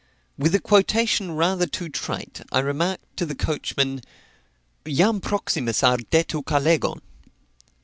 With a quotation rather too trite, I remarked to the coachman, "Jam proximus ardet Ucalegon."